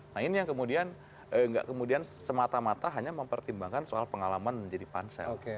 nah ini yang kemudian nggak kemudian semata mata hanya mempertimbangkan soal pengalaman menjadi pansel